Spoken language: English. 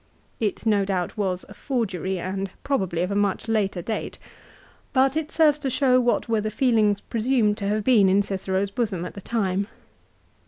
It ho doubt was a forgery, and probably of a much later date. But it serves to show what were the feelings presumed to have been in Cicero's bosom at the time.